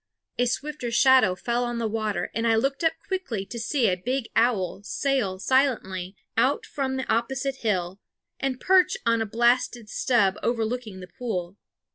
A swifter shadow fell on the water, and I looked up quickly to see a big owl sail silently out from the opposite hill and perch on a blasted stub overlooking the pool.